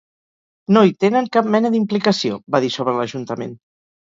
“No hi tenen cap mena d’implicació”, va dir sobre l’ajuntament.